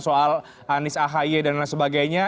soal anies ahy dan lain sebagainya